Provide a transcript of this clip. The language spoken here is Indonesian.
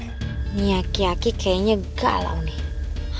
ini aki aki kayaknya galau nih